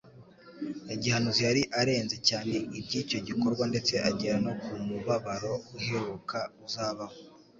ya gihanuzi yari arenze cyane iby'icyo gikorwa ndetse agera no ku mubabaro uheruka uzabaho,